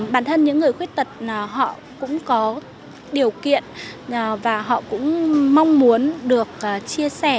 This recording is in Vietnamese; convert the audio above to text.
bản thân những người khuyết tật họ cũng có điều kiện và họ cũng mong muốn được chia sẻ